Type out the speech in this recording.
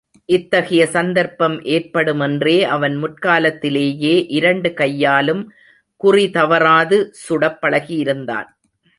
இத்தகைய சந்தர்ப்பம் ஏற்படு மென்றே அவன் முற்காலத்திலேயே இரண்டு கையாலும் குறிதவறாது சுடப்பழகியிருந்தான்.